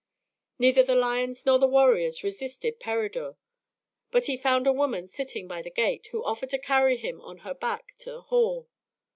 Neither the lions nor the warriors resisted Peredur, but he found a woman sitting by the gate, who offered to carry him on her back to the hall.